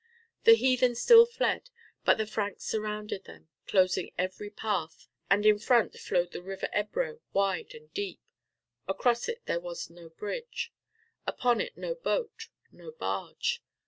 The heathen still fled, but the Franks surrounded them, closing every path, and in front flowed the river Ebro wide and deep. Across it there was no bridge, upon it no boat, no barge.